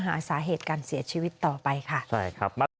แม่ก็อยากให้มันจบไม่อยากให้มีปัญหาอะไร